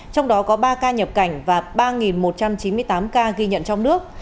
trong đó có ba ca nhập cảnh và ba một trăm chín mươi tám ca ghi nhận trong nước